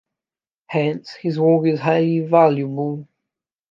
Hence, his work is highly valuable.